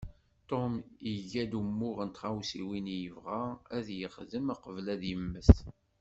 Tom iga-d umuɣ n tɣawsiwin i yebɣa ad yexdem qbel ad yemmet.